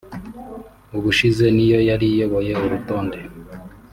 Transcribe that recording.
(ubushize ni yo yari iyoboye urutonde)